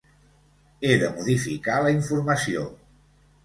He de modificar la informació.